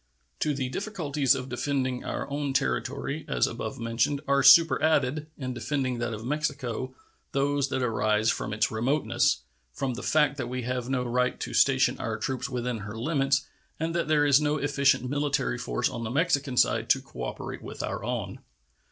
To the difficulties of defending our own territory, as above mentioned, are superadded, in defending that of Mexico, those that arise from its remoteness, from the fact that we have no right to station our troops within her limits and that there is no efficient military force on the Mexican side to cooperate with our own.